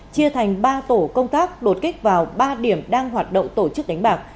chia thành ba tổ công tác đột kích vào ba điểm đang hoạt động tổ chức đánh bạc